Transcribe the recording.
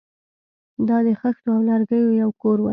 دا د خښتو او لرګیو یو کور و